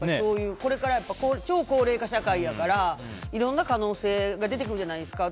これから超高齢化社会やからいろんな可能性が出てくるじゃないですか。